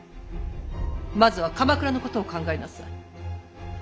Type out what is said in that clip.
まずは鎌倉のことを考えなさい。